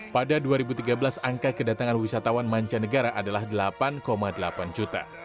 pada dua ribu tiga belas angka kedatangan wisatawan mancanegara adalah delapan delapan juta